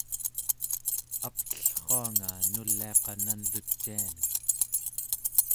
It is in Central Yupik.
aptellruanga nuliaqa nanlucianek